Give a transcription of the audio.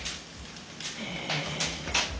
へえ。